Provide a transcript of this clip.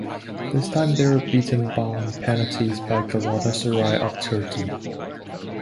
This time they were beaten on penalties by Galatasaray of Turkey.